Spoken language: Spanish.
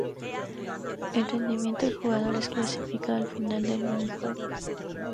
El rendimiento del jugador es clasificado al final del minijuego.